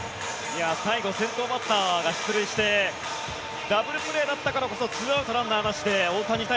最後先頭バッターが出塁してダブルプレーだったからこそ２アウト、ランナーなしで大谷対